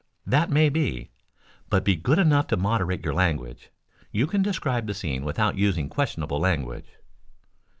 "That may be. But be good enough to moderate your language. You can describe the scene without using questionable language."